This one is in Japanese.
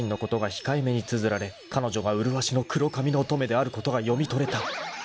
控えめにつづられ彼女が麗しの黒髪の乙女であることが読み取れた］